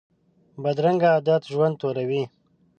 بدرنګه عادت ژوند توروي